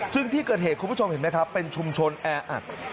ซึ่งที่เกิดเหตุคุณผู้ชมเห็นไหมครับเป็นชุมชนแออัด